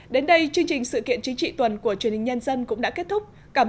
đến đây chương trình sự kiện chính trị tuần của truyền hình nhân dân cũng đã kết thúc cảm ơn